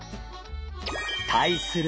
対する